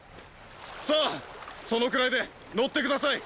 さあそのくらいで乗って下さい。